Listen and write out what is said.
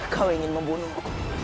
kau ingin membunuhku